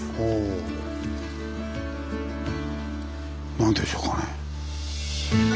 何でしょうかね？